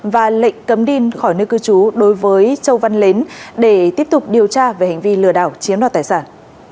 và lệnh cấm đi khỏi nơi cư trú đối với châu văn để tiếp tục điều tra về hành vi lừa đảo chiếm đoạt tài sản